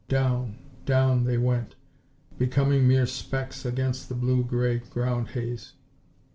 Down, down, they went, becoming mere specks against the blue grey ground haze.